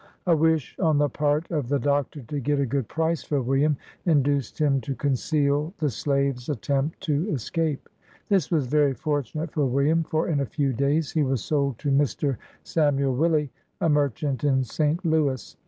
A wish on the part of the Doctor to get a good price for William, induced him to conceal the slave's attempt to escape. This was very fortunate for William, for in a few days he was sold to Mr. Samuel Willi, a merchant in St. Louis.